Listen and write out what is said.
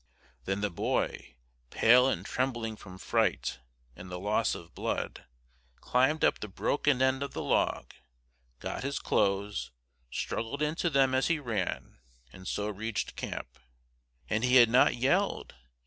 Then the boy, pale and trembling from fright and the loss of blood, climbed up the broken end of the log, got his clothes, struggled into them as he ran, and so reached camp. And he had not yelled!